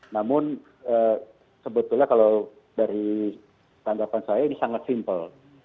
namun sebetulnya kalau dari tanggapan saya ini sangat simpel